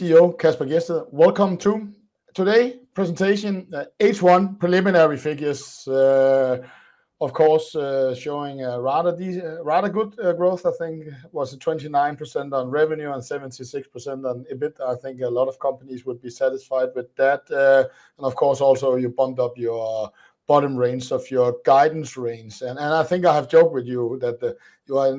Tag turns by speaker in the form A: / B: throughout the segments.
A: CEO Kasper Gjedsted, welcome to today's presentation, H1 preliminary figures. Of course, showing a rather good growth. I think it was 29% on revenue and 76% on EBITDA. I think a lot of companies would be satisfied with that. Also, you bumped up your bottom range of your guidance range. I think I have joked with you that you are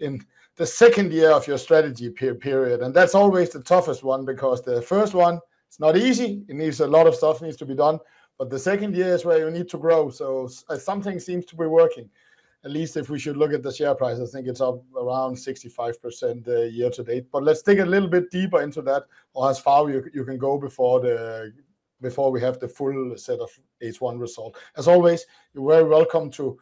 A: in the second year of your strategy period. That's always the toughest one because the first one is not easy. It means a lot of stuff needs to be done. The second year is where you need to grow. Something seems to be working. At least if we should look at the share price, I think it's up around 65% year to date. Let's dig a little bit deeper into that or how far you can go before we have the full set of H1 results. As always, you're very welcome to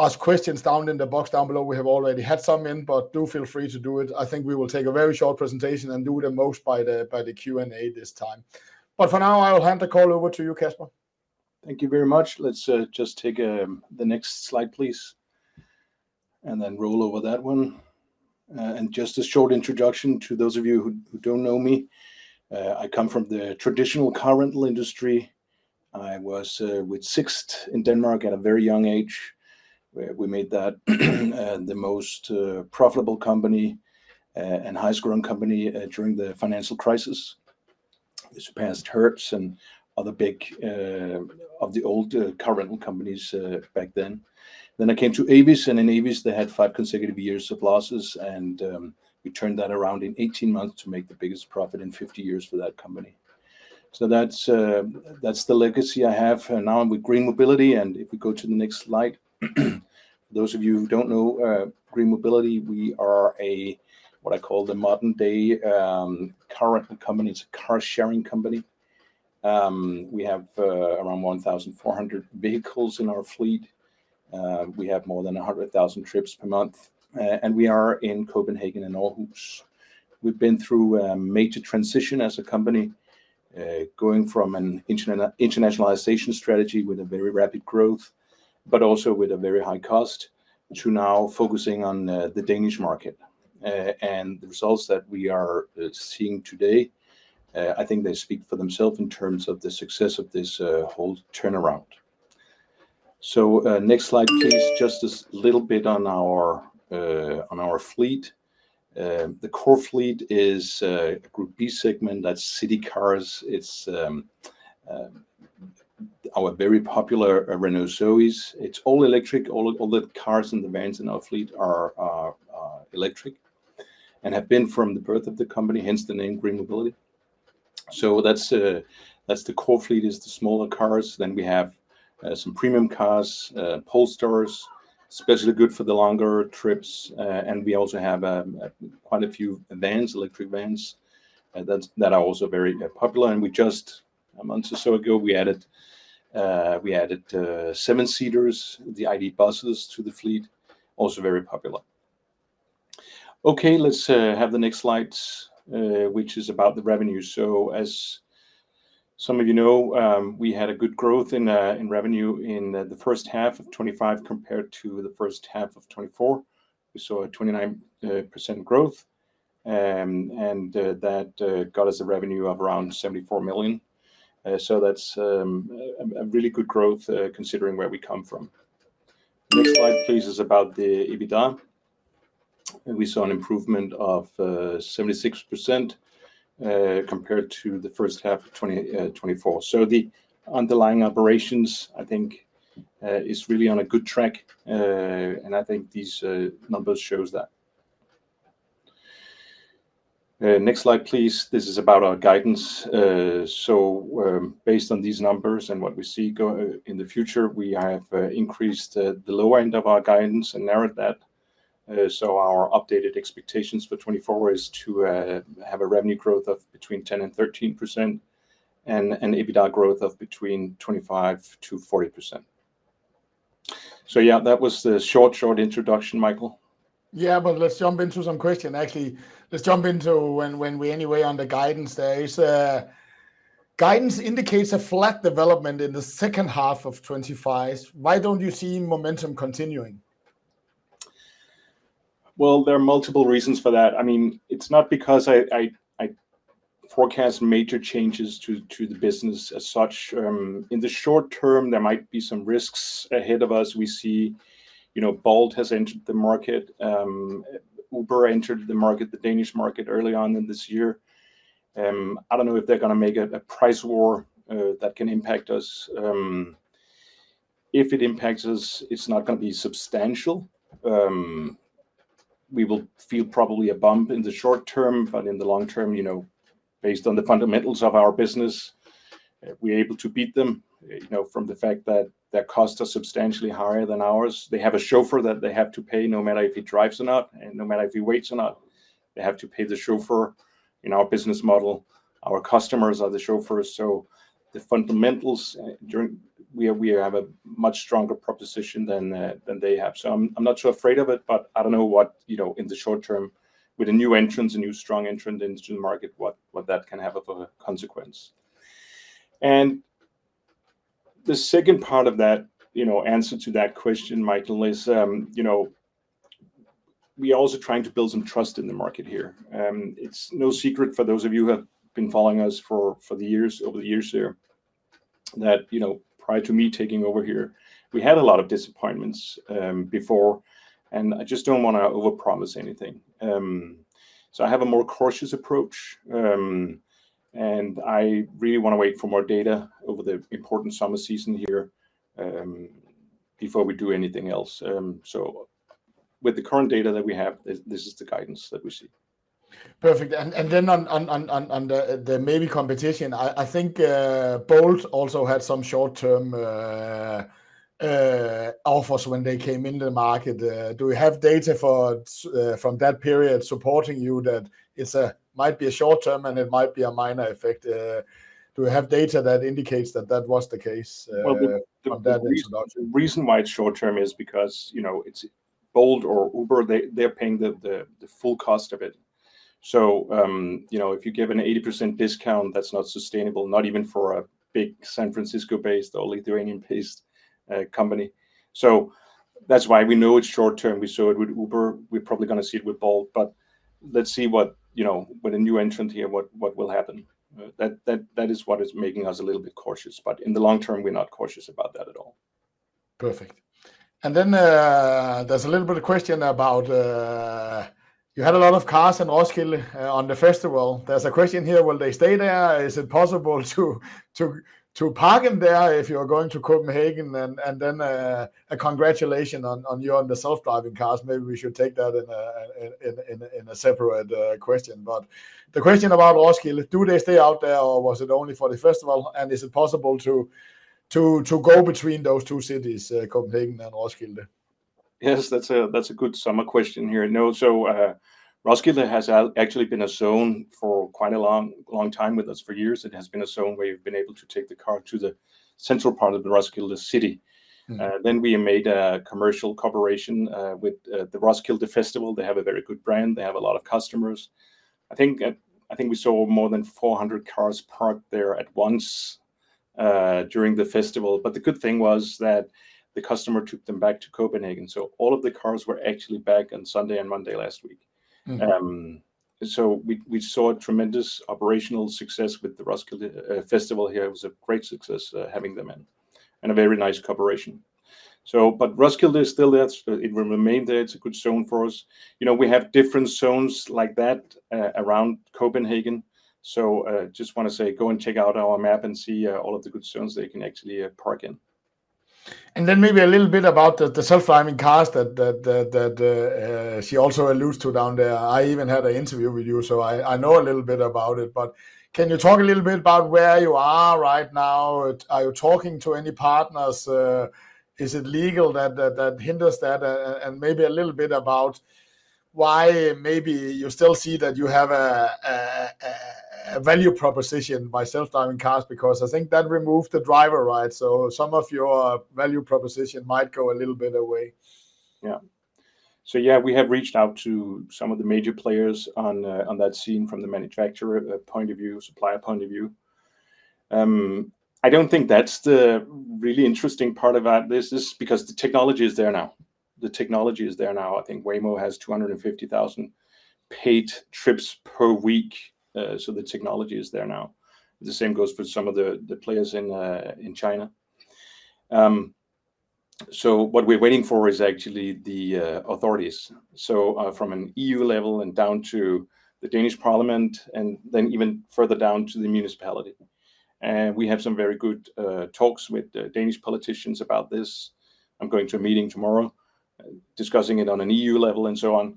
A: ask questions down in the box down below. We have already had some in, but do feel free to do it. I think we will take a very short presentation and do the most by the Q&A this time. For now, I'll hand the call over to you, Kasper.
B: Thank you very much. Let's just take the next slide, please. Roll over that one. Just a short introduction to those of you who don't know me. I come from the traditional car rental industry. I was with Sixt in Denmark at a very young age. We made that the most profitable company and highest growing company during the financial crisis. We surpassed Hertz and other big of the old car rental companies back then. I came to Avis. In Avis, they had five consecutive years of losses. We turned that around in 18 months to make the biggest profit in 50 years for that company. That's the legacy I have now with GreenMobility. If we go to the next slide, those of you who don't know GreenMobility, we are what I call the modern-day car rental company. It's a car sharing company. We have around 1,400 vehicles in our fleet. We have more than 100,000 trips per month. We are in Copenhagen and Aarhus. We've been through a major transition as a company, going from an internationalization strategy with very rapid growth, but also with very high cost, to now focusing on the Danish market. The results that we are seeing today, I think they speak for themselves in terms of the success of this whole turnaround. Next slide, please. Just a little bit on our fleet. The core fleet is a Group B segment. That's city cars. It's our very popular Renault ZOE. It's all electric. All the cars and the vans in our fleet are electric and have been from the birth of the company, hence the name GreenMobility. That's the core fleet, the smaller cars. We have some premium cars, Polestar, especially good for the longer trips. We also have quite a few vans, electric vans that are also very popular. We just, a month or so ago, added seven-seaters, the ID. Buzz to the fleet, also very popular. OK, let's have the next slide, which is about the revenue. As some of you know, we had a good growth in revenue in the first half of 2025 compared to the first half of 2024. We saw a 29% growth. That got us a revenue of around 74 million. That's a really good growth considering where we come from. Next slide, please, is about the EBITDA. We saw an improvement of 76% compared to the first half of 2024. The underlying operations, I think, are really on a good track. I think these numbers show that. Next slide, please. This is about our guidance. Based on these numbers and what we see in the future, we have increased the lower end of our guidance and narrowed that. Our updated expectations for 2024 is to have a revenue growth of between 10% and 13% and an EBITDA growth of between 25% to 40%. That was the short, short introduction, Michael.
A: Yeah, let's jump into some questions. Actually, let's jump into when we're anyway under guidance. Guidance indicates a flat development in the second half of 2025. Why don't you see momentum continuing?
B: There are multiple reasons for that. I mean, it's not because I forecast major changes to the business as such. In the short term, there might be some risks ahead of us. We see Bolt has entered the market. Uber entered the Danish market early on in this year. I don't know if they're going to make a price war that can impact us. If it impacts us, it's not going to be substantial. We will feel probably a bump in the short term. In the long term, you know, based on the fundamentals of our business, we're able to beat them from the fact that their costs are substantially higher than ours. They have a chauffeur that they have to pay no matter if he drives or not, and no matter if he waits or not, they have to pay the chauffeur. In our business model, our customers are the chauffeurs. The fundamentals, we have a much stronger proposition than they have. I'm not so afraid of it. I don't know what, you know, in the short term, with a new entrant and new strong entrant into the market, what that can have for a consequence. The second part of that answer to that question, Michael, is we are also trying to build some trust in the market here. It's no secret for those of you who have been following us over the years here, that prior to me taking over here, we had a lot of disappointments before. I just don't want to overpromise anything. I have a more cautious approach. I really want to wait for more data over the important summer season here before we do anything else. With the current data that we have, this is the guidance that we see.
A: Perfect. On the maybe competition, I think Bolt also had some short-term offers when they came into the market. Do we have data from that period supporting you that it might be short term and it might be a minor effect? Do we have data that indicates that that was the case?
B: The reason why it's short term is because it's Bolt or Uber. They're paying the full cost of it. If you give an 80% discount, that's not sustainable, not even for a big San Francisco-based, only European-based company. That's why we know it's short term. We saw it with Uber. We're probably going to see it with Bolt. Let's see what, you know, with a new entrant here, what will happen. That is what is making us a little bit cautious. In the long term, we're not cautious about that at all.
A: Perfect. There is a little bit of a question about you had a lot of cars in Roskilde on the festival. There is a question here. Will they stay there? Is it possible to park in there if you're going to Copenhagen? Congratulations on the self-driving cars. Maybe we should take that in a separate question. The question about Roskilde, do they stay out there or was it only for the festival? Is it possible to go between those two cities, Copenhagen and Roskilde?
B: Yes, that's a good summer question here. No, Roskilde has actually been a zone for quite a long time with us. For years, it has been a zone where you've been able to take the car to the central part of the Roskilde City. We made a commercial cooperation with the Roskilde Festival. They have a very good brand. They have a lot of customers. I think we saw more than 400 cars parked there at once during the festival. The good thing was that the customer took them back to Copenhagen. All of the cars were actually back on Sunday and Monday last week. We saw a tremendous operational success with the Roskilde Festival here. It was a great success having them in and a very nice cooperation. Roskilde is still there. It will remain there. It's a good zone for us. We have different zones like that around Copenhagen. I just want to say go and check out our map and see all of the good zones they can actually park in.
A: Maybe a little bit about the self-driving cars that she also alludes to down there. I even had an interview with you, so I know a little bit about it. Can you talk a little bit about where you are right now? Are you talking to any partners? Is it legal that hinders that? Maybe a little bit about why you still see that you have a value proposition by self-driving cars, because I think that removes the driver, right? Some of your value proposition might go a little bit away.
B: Yeah. We have reached out to some of the major players on that scene from the manufacturer point of view, supplier point of view. I don't think that's the really interesting part about this. It's because the technology is there now. The technology is there now. I think Waymo has 250,000 paid trips per week. The technology is there now. The same goes for some of the players in China. What we're waiting for is actually the authorities, from an EU level and down to the Danish parliament and then even further down to the municipality. We have some very good talks with Danish politicians about this. I'm going to a meeting tomorrow discussing it on an EU level and so on.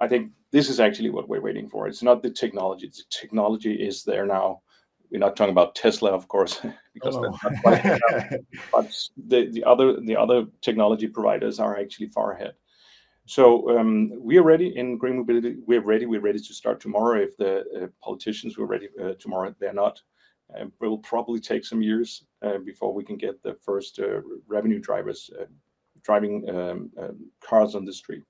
B: I think this is actually what we're waiting for. It's not the technology. The technology is there now. We're not talking about Tesla, of course, because that's not quite—the other technology providers are actually far ahead. We are ready in GreenMobility. We're ready. We're ready to start tomorrow if the politicians were ready tomorrow. They're not. It will probably take some years before we can get the first revenue drivers driving cars on the street.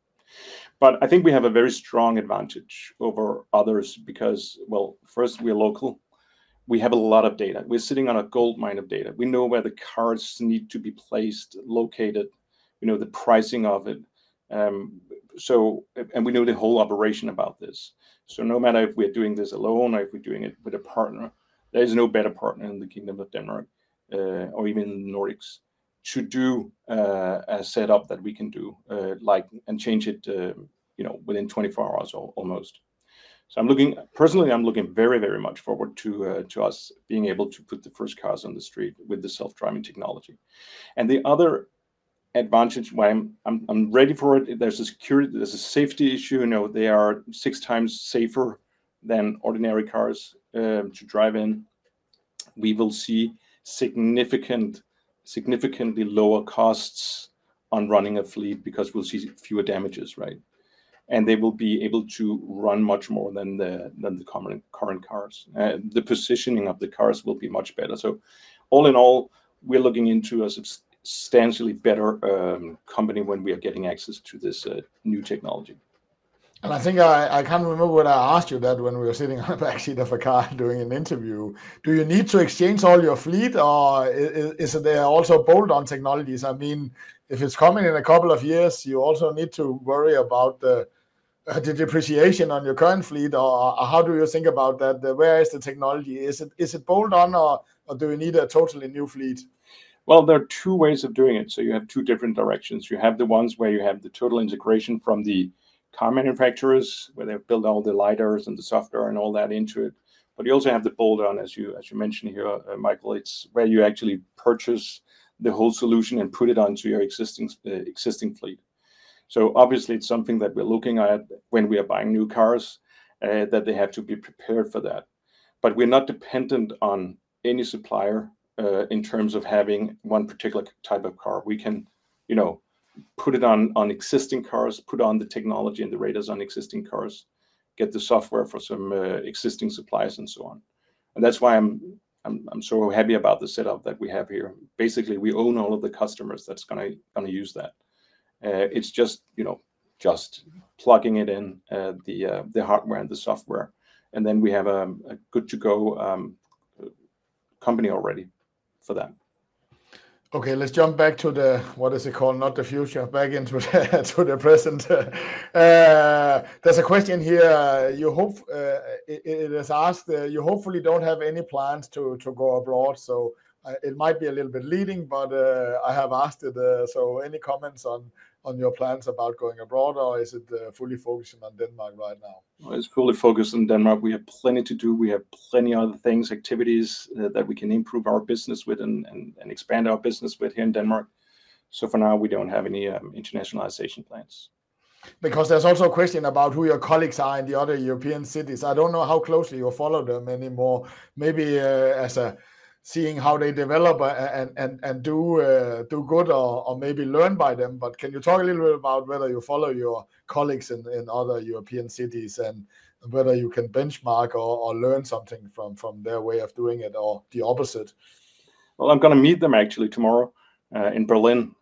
B: I think we have a very strong advantage over others because, first, we're local. We have a lot of data. We're sitting on a gold mine of data. We know where the cars need to be placed, located. We know the pricing of it. We know the whole operation about this. No matter if we're doing this alone or if we're doing it with a partner, there is no better partner in the Kingdom of Denmark or even the Nordics to do a setup that we can do and change it within 24 hours almost. Personally, I'm looking very, very much forward to us being able to put the first cars on the street with the self-driving technology. The other advantage, why I'm ready for it, there's a security, there's a safety issue. They are six times safer than ordinary cars to drive in. We will see significantly lower costs on running a fleet because we'll see fewer damages, right? They will be able to run much more than the current cars. The positioning of the cars will be much better. All in all, we're looking into a substantially better company when we are getting access to this new technology.
A: I think I can't remember what I asked you when we were sitting on the back seat of a car doing an interview. Do you need to exchange all your fleet? Or is it there also Bolt-on technologies? I mean, if it's coming in a couple of years, you also need to worry about the depreciation on your current fleet. How do you think about that? Where is the technology? Is it Bolt-on, or do we need a totally new fleet?
B: There are two ways of doing it. You have two different directions. You have the ones where you have the total integration from the car manufacturers, where they've built all the lighters and the software and all that into it. You also have the Bolt on, as you mentioned here, Michael, it's where you actually purchase the whole solution and put it onto your existing fleet. Obviously, it's something that we're looking at when we are buying new cars, that they have to be prepared for that. We're not dependent on any supplier in terms of having one particular type of car. We can put it on existing cars, put on the technology and the radars on existing cars, get the software for some existing suppliers, and so on. That's why I'm so happy about the setup that we have here. Basically, we own all of the customers that's going to use that. It's just plugging it in, the hardware and the software. Then we have a good-to-go company already for that.
A: OK, let's jump back to the, what is it called, not the future of baggage, but to the present. There's a question here. You hopefully don't have any plans to go abroad. It might be a little bit leading, but I have asked it. Any comments on your plans about going abroad? Is it fully focusing on Denmark right now?
B: It's fully focused on Denmark. We have plenty to do, plenty of other things, activities that we can improve our business with and expand our business with here in Denmark. For now, we don't have any internationalization plans.
A: Because there's also a question about who your colleagues are in the other European cities. I don't know how closely you follow them anymore, maybe as seeing how they develop and do good or maybe learn by them. Can you talk a little bit about whether you follow your colleagues in other European cities and whether you can benchmark or learn something from their way of doing it or the opposite?
B: I'm going to meet them actually tomorrow in Berlin,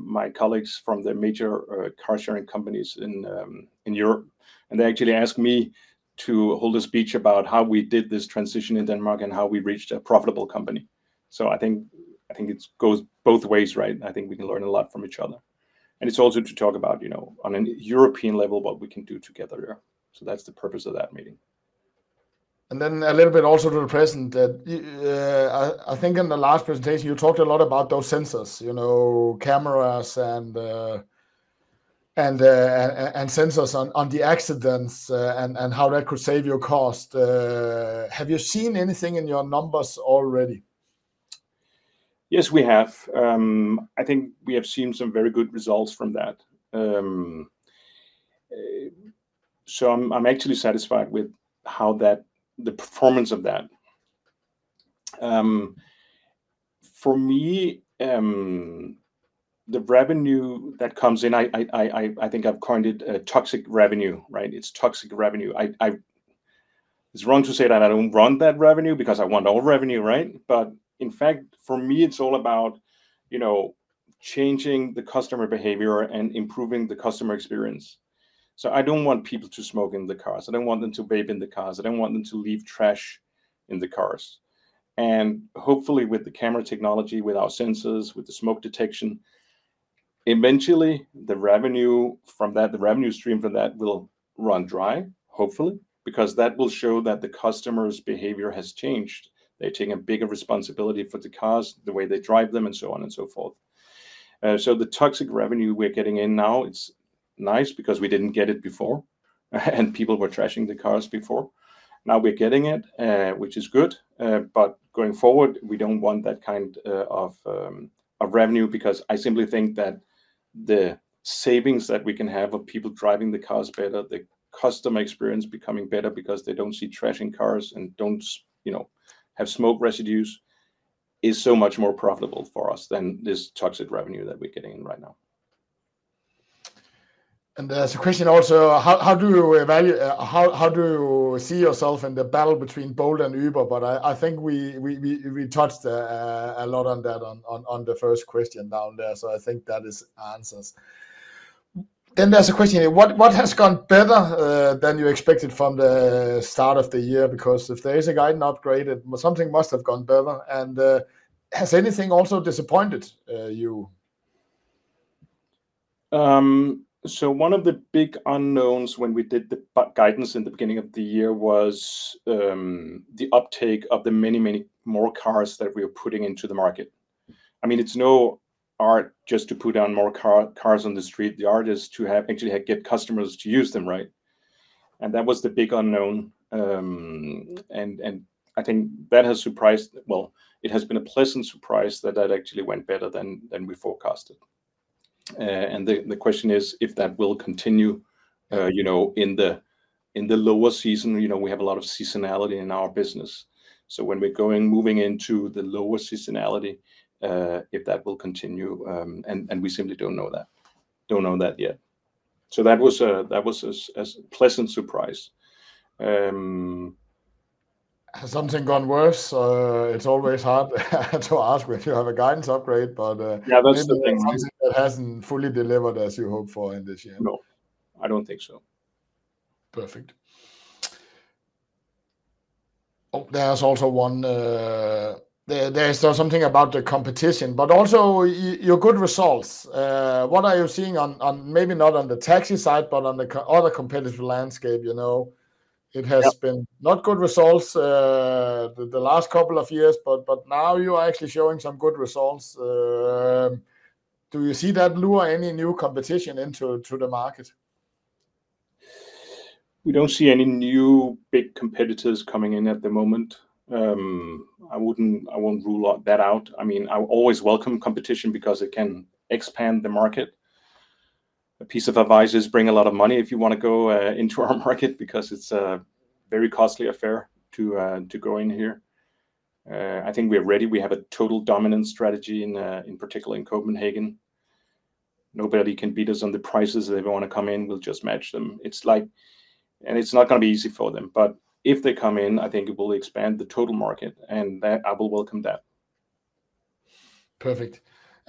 B: my colleagues from the major car sharing companies in Europe. They actually asked me to hold a speech about how we did this transition in Denmark and how we reached a profitable company. I think it goes both ways, right? I think we can learn a lot from each other. It's also to talk about, you know, on a European level, what we can do together here. That's the purpose of that meeting.
A: A little bit also to the present. I think in the last presentation, you talked a lot about those sensors, you know, cameras and sensors on the accidents and how that could save your cost. Have you seen anything in your numbers already?
B: Yes, we have. I think we have seen some very good results from that. I'm actually satisfied with how that, the performance of that. For me, the revenue that comes in, I think I've coined it a toxic revenue, right? It's toxic revenue. It's wrong to say that I don't want that revenue because I want all revenue, right? In fact, for me, it's all about changing the customer behavior and improving the customer experience. I don't want people to smoke in the cars. I don't want them to vape in the cars. I don't want them to leave trash in the cars. Hopefully, with the camera technology, with our sensors, with the smoke detection, eventually, the revenue from that, the revenue stream from that will run dry, hopefully, because that will show that the customer's behavior has changed. They're taking a bigger responsibility for the cars, the way they drive them, and so on and so forth. The toxic revenue we're getting in now, it's nice because we didn't get it before. People were trashing the cars before. Now we're getting it, which is good. Going forward, we don't want that kind of revenue because I simply think that the savings that we can have of people driving the cars better, the customer experience becoming better because they don't see trash in cars and don't, you know, have smoke residues is so much more profitable for us than this toxic revenue that we're getting in right now.
A: There is a question also, how do you see yourself in the battle between Bolt and Uber? I think we touched a lot on that on the first question down there. I think that answers it. There is a question, what has gone better than you expected from the start of the year? Because if there is a guidance upgrade, something must have gone better. Has anything also disappointed you?
B: One of the big unknowns when we did the guidance in the beginning of the year was the uptake of the many, many more cars that we are putting into the market. I mean, it's no art just to put more cars on the street. The art is to actually get customers to use them, right? That was the big unknown. I think that has surprised—it has been a pleasant surprise that that actually went better than we forecasted. The question is if that will continue, you know, in the lower season. We have a lot of seasonality in our business. When we're moving into the lower seasonality, if that will continue. We simply don't know that yet. That was a pleasant surprise.
A: Has something gone worse? It's always hard to ask when you have a guidance upgrade. That's the thing. It hasn't fully delivered as you hoped for in this year.
B: No, I don't think so.
A: Perfect. There's still something about the competition, also your good results. What are you seeing on, maybe not on the taxi side, but on the other competitive landscape? It has been not good results the last couple of years, but now you are actually showing some good results. Do you see that lure any new competition into the market?
B: We don't see any new big competitors coming in at the moment. I won't rule that out. I always welcome competition because it can expand the market. A piece of advice is bring a lot of money if you want to go into our market because it's a very costly affair to go in here. I think we're ready. We have a total dominant strategy, in particular in Copenhagen. Nobody can beat us on the prices. They don't want to come in. We'll just match them. It's not going to be easy for them. If they come in, I think it will expand the total market. I will welcome that.
A: Perfect.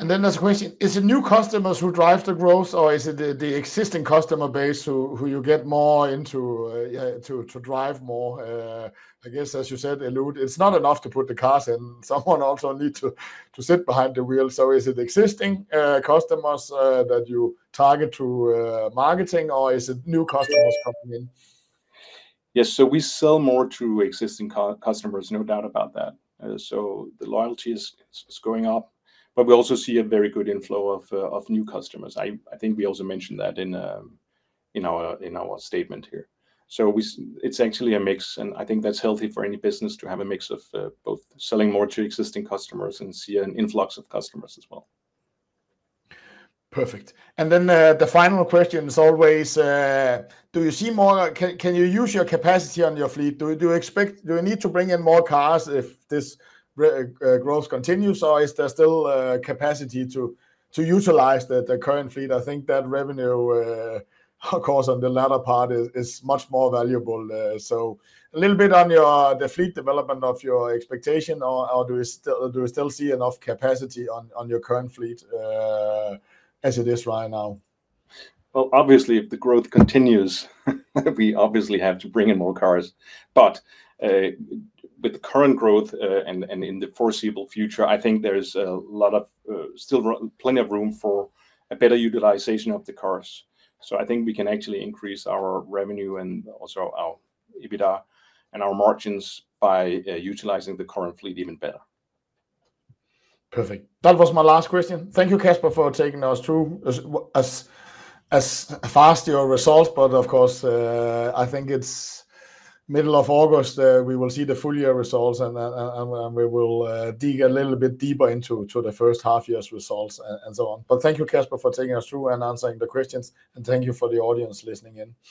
A: There is a question. Is it new customers who drive the growth, or is it the existing customer base who you get more into to drive more? I guess, as you said, it's not enough to put the cars in. Someone also needs to sit behind the wheel. Is it existing customers that you target through marketing, or is it new customers coming in?
B: Yes, we sell more to existing customers, no doubt about that. The loyalty is going up. We also see a very good inflow of new customers. I think we also mentioned that in our statement here. It's actually a mix, and I think that's healthy for any business to have a mix of both selling more to existing customers and seeing an influx of customers as well.
A: Perfect. The final question is always, do you see more? Can you use your capacity on your fleet? Do you need to bring in more cars if this growth continues? Is there still capacity to utilize the current fleet? I think that revenue, of course, on the latter part is much more valuable. A little bit on the fleet development of your expectation. Do you still see enough capacity on your current fleet as it is right now?
B: If the growth continues, we obviously have to bring in more cars. With the current growth and in the foreseeable future, I think there's still plenty of room for a better utilization of the cars. I think we can actually increase our revenue and also our EBITDA and our margins by utilizing the current fleet even better.
A: Perfect. That was my last question. Thank you, Kasper, for taking us through as fast your results. I think it's the middle of August. We will see the full year results, and we will dig a little bit deeper into the first half year's results and so on. Thank you, Kasper, for taking us through and answering the questions. Thank you for the audience listening in.